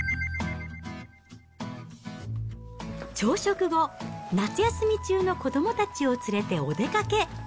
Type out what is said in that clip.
朝食後、夏休み中の子どもたちを連れてお出かけ。